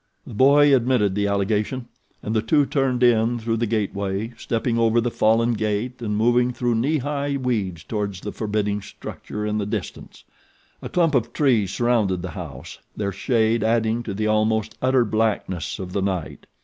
The boy admitted the allegation and the two turned in through the gateway, stepping over the fallen gate and moving through knee high weeds toward the forbidding structure in the distance. A clump of trees surrounded the house, their shade adding to the almost utter blackness of the night.